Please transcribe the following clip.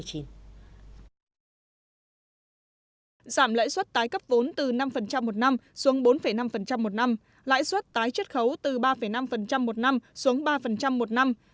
giảm lãi suất tái cấp vốn từ năm một năm xuống bốn năm một năm lãi suất tái chất khấu từ ba năm một năm xuống ba một năm